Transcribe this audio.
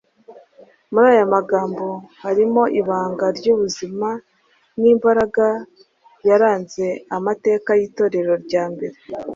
Muri aya magambo harimo ibanga ry’ubuzima n’imbaraga yaranze amateka y’Itorero rya mbere.